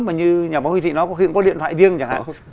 mà như nhà báo huy thị nói có khi cũng có điện thoại riêng chẳng hạn